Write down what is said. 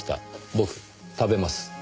僕食べます。